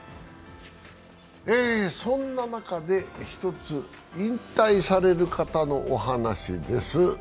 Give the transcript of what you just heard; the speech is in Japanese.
そんな中で１つ、引退される方のお話です